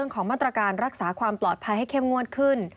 ของมาตรการรักษาความปลอดภัยให้เข้มงวดขึ้น